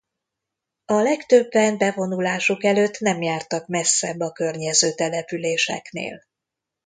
A legtöbben bevonulásuk előtt nem jártak messzebb a környező településeknél.